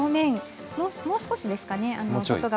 もう少しですかね外側。